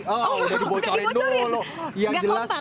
oh udah dibocorin yang jelas